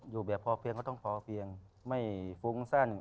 อยู่แบบพอเพียงก็ต้องพอเพียงไม่ฟุ้งสั้น